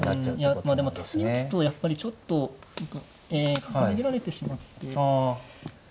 でもこう打つとやっぱりちょっと角逃げられてしまって。